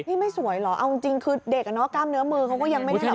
นี่ไม่สวยเหรอเอาจริงคือเด็กกล้ามเนื้อมือเขาก็ยังไม่ได้แบบ